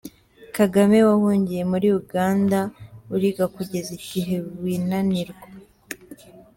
Kagame wahungiye muri Uganda, uriga kugeza igihe winanirwa.